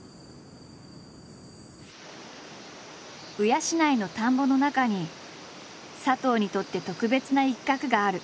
鵜養の田んぼの中に佐藤にとって特別な一角がある。